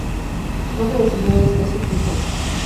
No se designó una especie tipo.